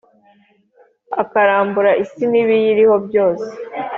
akarambura isi n’ibiyiriho byose,